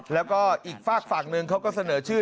แล้วก็อีกฝากฝั่งหนึ่งเขาก็เสนอชื่อ